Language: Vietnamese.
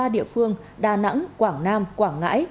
ba địa phương đà nẵng quảng nam quảng ngãi